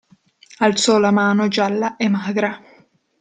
Alzò la mano gialla e magra.